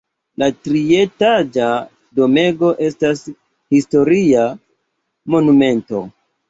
La trietaĝa domego estas historia monumento.